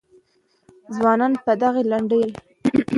ځوانان به د هغې لنډۍ اوري.